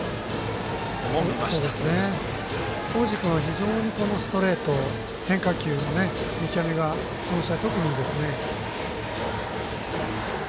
大路君は非常にストレート変化球の見極めがこの試合、特にいいですね。